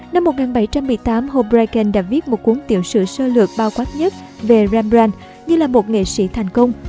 năm một nghìn bảy trăm một mươi tám hoblisken đã viết một cuốn tiểu sử sơ lược bao quát nhất về rambran như là một nghệ sĩ thành công